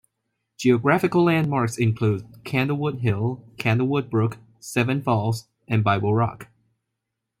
Geographical landmarks include Candlewood Hill, Candlewood Brook, Seven Falls and Bible Rock.